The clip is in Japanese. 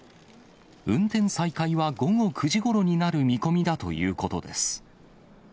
運転再開は午後９時ごろになる見込みだということです。